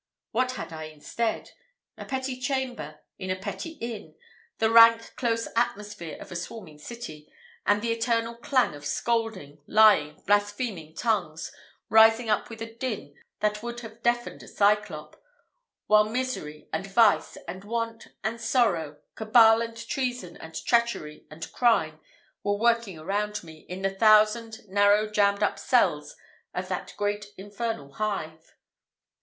What had I instead? A petty chamber, in a petty inn the rank close atmosphere of a swarming city, and the eternal clang of scolding, lying, blaspheming tongues, rising up with a din that would have deafened a Cyclop while misery, and vice, and want, and sorrow, cabal, and treason, and treachery, and crime, were working around me, in the thousand narrow, jammed up cells of that great infernal hive.